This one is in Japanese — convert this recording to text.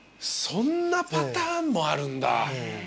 そんなパターンもあるんだ。